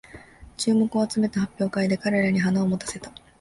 注目を集めた発表会で彼らに花を持たせた